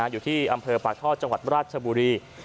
อยู่ที่อำเภอปากท่อจังหวัดราชบุรี